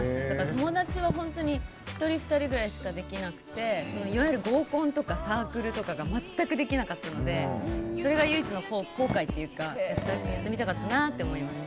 友達は本当に１人、２人ぐらいしかできなくていわゆる合コンとかサークルとかが全くできなかったのでそれが唯一の後悔っていうかやってみたかったなって思います。